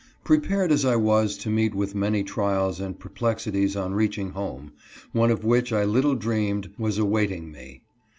PREPARED as I was to meet with many trials and perplexities on reaching home, one of which I little dreamed was awaiting me.